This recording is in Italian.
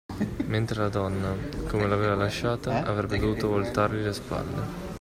Mentre la donna, come l'aveva lasciata, avrebbe dovuto voltargli le spalle.